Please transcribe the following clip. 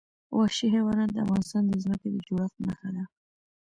وحشي حیوانات د افغانستان د ځمکې د جوړښت نښه ده.